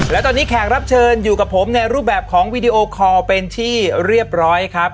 และตอนนี้แขกรับเชิญอยู่กับผมในรูปแบบของวีดีโอคอลเป็นที่เรียบร้อยครับ